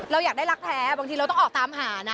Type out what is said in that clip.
เราอยากได้รักแท้บางทีเราต้องออกตามหานะ